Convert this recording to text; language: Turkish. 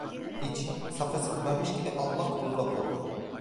İçi, safrası kabarmış gibi, allak bullak oldu.